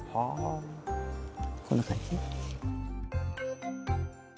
こんな感じ。